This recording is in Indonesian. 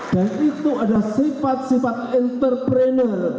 dan itu adalah sifat sifat entrepreneur